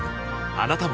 あなたも